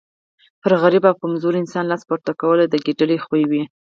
پر غریب او کمزوري انسان لاس پورته کول د ګیدړ خوی وو.